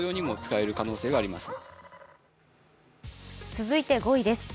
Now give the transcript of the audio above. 続いて５位です。